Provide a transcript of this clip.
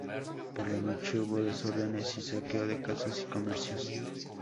Por la noche hubo desórdenes y saqueo de casas y comercios.